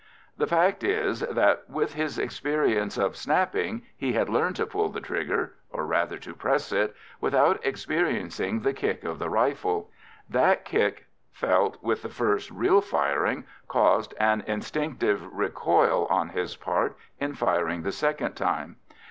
The fact was that, with his experience of "snapping," he had learned to pull the trigger or rather, to press it without experiencing the kick of the rifle; that kick, felt with the first real firing, caused an instinctive recoil on his part in firing the second time.